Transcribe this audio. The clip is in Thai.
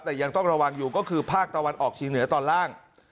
แต่ยังต้องระวังอยู่ก็คือภาคตะวันออกชิงเหนือตอนล่าง